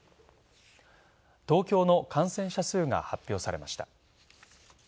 東京の感染者数が発表されました。